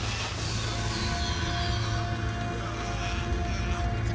kau harus menolongku